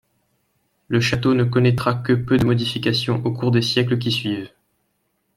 Le château ne connaîtra que peu de modifications au cours des siècles qui suivent.